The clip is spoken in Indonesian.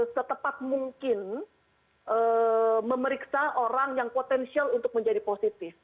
setepat mungkin memeriksa orang yang potensial untuk menjadi positif